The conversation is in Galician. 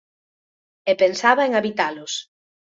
E pensaba en habitalos.